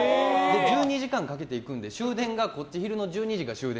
１２時間かけて行くんで終電がこっちの昼の１２時で。